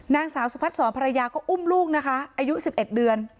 นางสาวสุพัฒนศรภรรยาก็อุ้มลูกนะคะอายุ๑๑เดือน